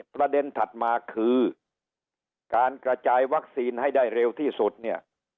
ถัดมาคือการกระจายวัคซีนให้ได้เร็วที่สุดเนี่ย